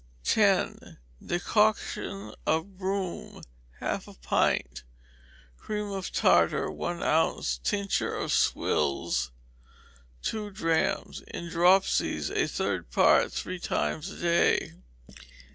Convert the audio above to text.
10. Decoction of broom, half a pint; cream of tartar, one ounce, tincture of squills, two drachms: in dropsies; a third part three times a day.